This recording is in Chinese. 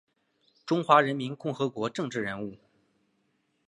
中华人民共和国政治人物。